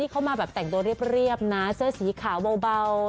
เขามาแบบแต่งตัวเรียบนะเสื้อสีขาวเบา